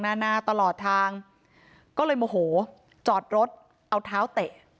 หน้าตลอดทางก็เลยโมโหจอดรถเอาเท้าเตะ